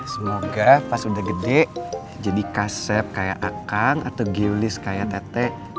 semoga pas udah gede jadi kasep kayak akang atau geolis kayak tete